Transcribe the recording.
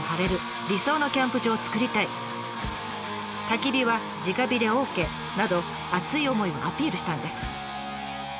たき火は直火でＯＫ！など熱い思いをアピールしたんです。